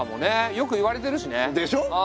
よく言われてるしね。でしょ！